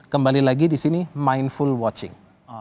kembali lagi disini mindful watching